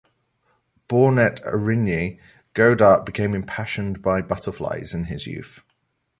Born at Origny, Godart became impassioned by butterflies in his youth.